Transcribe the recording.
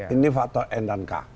ini faktor n dan k